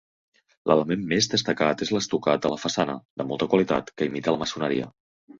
L'element més destacat és l'estucat de la façana, de molta qualitat, que imita la maçoneria.